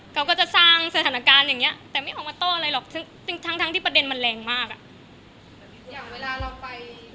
เขาก็จะสร้างสถานการณ์อย่างเงี้ยแต่ไม่ออกมาต้อนอะไรหรอกซึ่งซึ่งทั้งทั้งที่ประเด็นมันแรงมากอะ